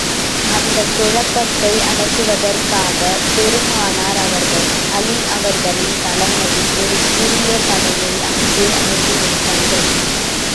அந்தக் குழப்பத்தை அடக்குவதற்காகப் பெருமானார் அவர்கள், அலி அவர்களின் தலைமையில் ஒரு சிறிய படையை அங்கே அனுப்பி வைத்தார்கள்.